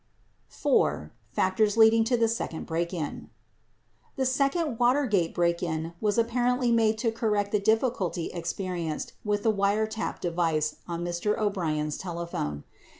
56 4. FACTORS LEADING TO THE SECOND BREAK IN The second Watergate break in was apparently made to correct the difficulty experienced with the wiretap device on Mr. O'Brien's telephone.